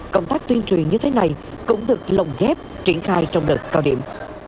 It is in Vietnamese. công tác tuyên truyền như thế này cũng được lồng ghép triển khai trong đợt cao điểm